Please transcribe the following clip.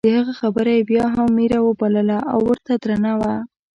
د هغه خبره یې بیا هم میره وبلله او ورته درنه وه.